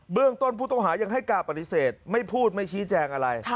เรื่องต้นผู้ต้องหายังให้การปฏิเสธไม่พูดไม่ชี้แจงอะไร